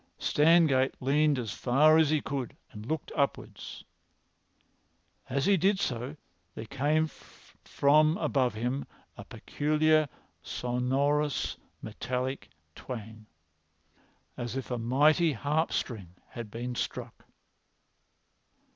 Stangate leaned as far as he could and looked upwards. As he did so there came from above him a peculiar sonorous metallic twang, as if a mighty harp string had been struck.